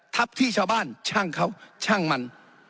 ทับที่ชาวบ้านช่างเขาช่างมัน